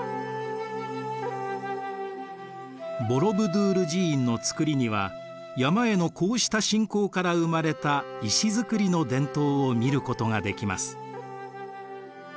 ボロブドゥール寺院の造りには山へのこうした信仰から生まれた石造りの伝統を見ることができます。